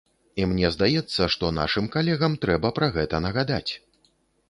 І мне здаецца, што нашым калегам трэба пра гэта нагадаць.